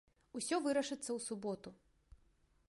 Усё вырашыцца ў суботу.